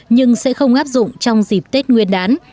nhưng sẽ không áp dụng trong dịp tết nguyên đán